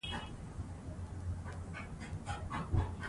تنخوا میاشت په میاشت ورته رسیږي.